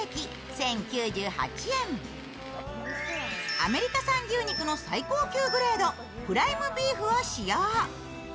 アメリカ産牛肉の最高級グレードプライムビーフを使用。